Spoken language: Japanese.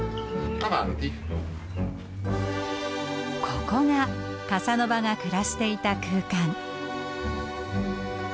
ここがカサノバが暮らしていた空間。